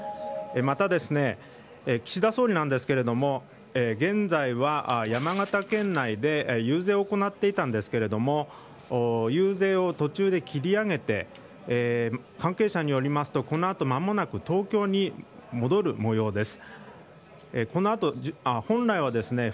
また、岸田総理なんですが現在は、山形県内で遊説を行っていたんですが遊説を途中で切り上げて関係者によりますとこのあと、まもなく東京に戻る模様です。